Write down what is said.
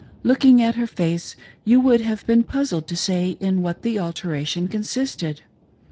In looking at her face you would have been puzzled fo say in what the alteration consisted.